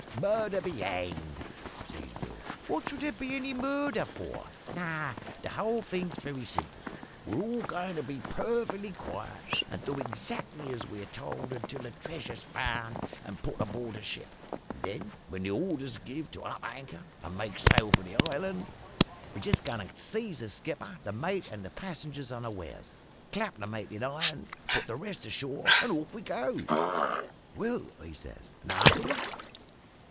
"`Murder be hanged!' says Bill. `What should there be any murder for? No; the whole thing's very simple. We're all goin' to be perfectly quiet and do exactly as we're told until the treasure's found and put aboard the ship; and then, when the order's give to up anchor and make sail from the island, we're just goin' to seize the skipper, the mate, and the passengers, unawares; clap the mate in irons; put the rest ashore; and off we goes.' "`Well,' I says, `and afterwards?'